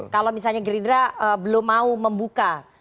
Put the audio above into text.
kalau misalnya gerindra belum mau membuka